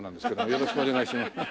よろしくお願いします。